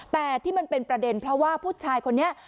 แต่ที่มันเป็นประเด็นเพราะว่าผู้ชายคนนี้